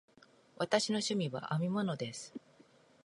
私の趣味は編み物です。